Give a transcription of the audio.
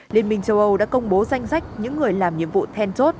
liên minh châu âu đã công bố danh sách những người làm nhiệm vụ then chốt